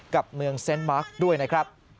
กับเมืองเซ็นต์มาร์คด้วยนะครับ